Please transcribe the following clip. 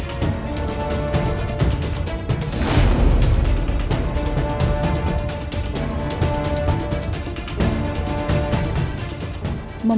aku involving kimberly